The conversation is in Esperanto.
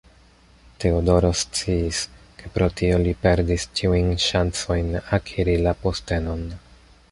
Teodoro sciis, ke pro tio li perdis ĉiujn ŝancojn akiri la postenon.